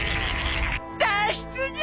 脱出じゃ！